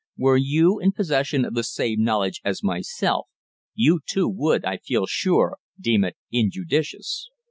Were you in possession of the same knowledge as myself, you too, would, I feel sure, deem it injudicious."